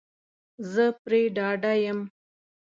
زه پری ډاډه یم